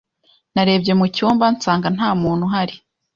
Narebye mu cyumba, nsanga nta muntu uhari